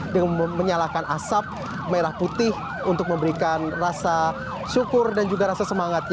dengan menyalakan asap merah putih untuk memberikan rasa syukur dan juga rasa semangat